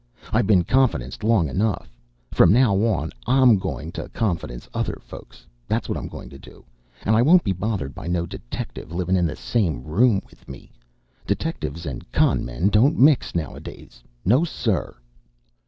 I been confidenced long enough; from now on I'm goin' to confidence other folks. That's what I'm goin' to do; and I won't be bothered by no detective livin' in the same room with me. Detectives and con' men don't mix noways! No, sir!"